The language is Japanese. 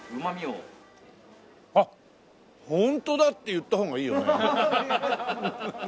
あっホントだ！って言った方がいいよね？